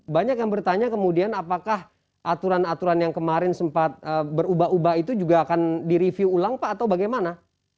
banyak yang bertanya kemudian apakah aturan aturan yang kemarin sempat berubah ubah itu juga akan direview ulang pak atau bagaimana